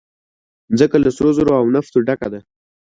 مځکه له سرو زرو او نفته ډکه ده.